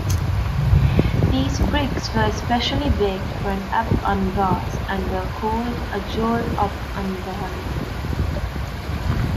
These bricks were especially baked for ab anbars and were called "Ajor Ab anbari".